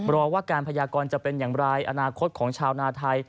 รอว่าการพยากรจะเป็นอย่างไรอนาคตของชาวนาไทย